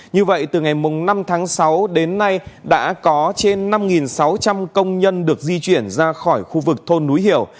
như vậy từ ngày năm tháng sáu đến nay đã có trên năm sáu trăm linh công nhân được di chuyển ra khỏi khu vực thôn núi hiểu